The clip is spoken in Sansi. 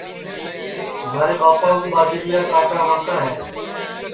مھارے ٻاپا کُوٻاجریا کا آٹا وٹؔتا ہے